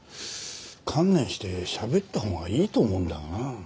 観念して喋ったほうがいいと思うんだがな。